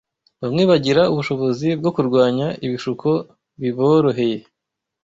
bamwe bagira ubushobozi bwo kurwanya ibishuko biboroheye